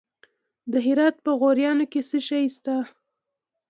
د هرات په غوریان کې څه شی شته؟